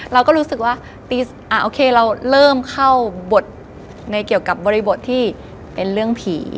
เราก็รู้สึกว่าโอเคเราเริ่มเข้าบทในเกี่ยวกับบริบทที่เป็นเรื่องผี